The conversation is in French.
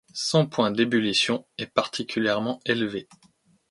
Son point d'ébullition est particulièrement élevé.